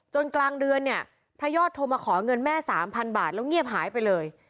กลางเดือนเนี่ยพระยอดโทรมาขอเงินแม่๓๐๐บาทแล้วเงียบหายไปเลย